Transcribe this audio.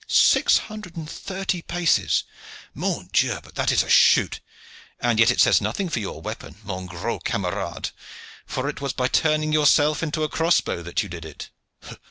"Six hundred and thirty paces! Mon Dieu! but that is a shoot! And yet it says nothing for your weapon, mon gros camarade, for it was by turning yourself into a crossbow that you did it."